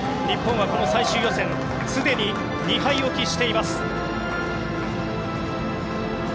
日本は最終予選すでに２敗を喫しています。